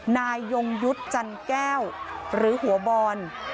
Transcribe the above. นายยงยุทธ์จันแก้วหรือหัวบอล